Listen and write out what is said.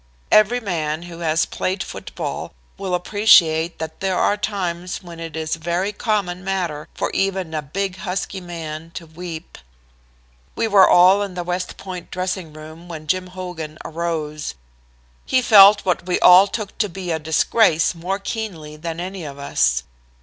Every man who has played football will appreciate that there are times when it is a very common matter for even a big husky man to weep. We were all in the West Point dressing room when Jim Hogan arose. He felt what we all took to be a disgrace more keenly than any of us.